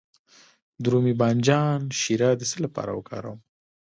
د رومي بانجان شیره د څه لپاره وکاروم؟